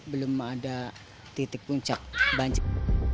belum ada titik puncak banjir